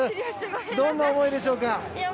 どんな思いでしょうか？